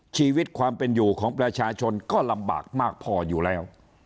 ชีวิตความเป็นอยู่ของประชาชนก็ลำบากมากพออยู่แล้ว